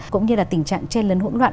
cũng như là tình trạng tre lấn hỗn loạn